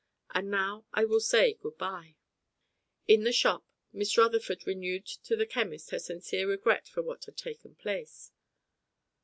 And now I will say good bye." In the shop Miss Rutherford renewed to the chemist her sincere regret for what had taken place.